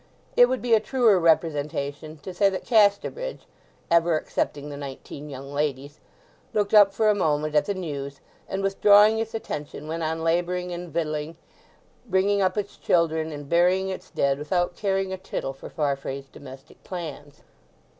It would be a truer representation to say that Casterbridge (ever excepting the nineteen young ladies) looked up for a moment at the news, and withdrawing its attention, went on labouring and victualling, bringing up its children, and burying its dead, without caring a tittle for Farfrae's domestic plans.